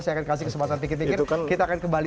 saya akan kasih kesempatan pikir pikir kita akan kembali